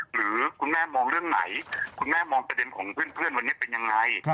หรือคุณแม่มองเรื่องไหนคุณแม่มองประเด็นของเพื่อนวันนี้เป็นยังไง